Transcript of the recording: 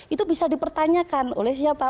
itu bisa dipertanyakan oleh siapa